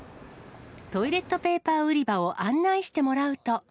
トイレットペーパー売り場を案内してもらうと。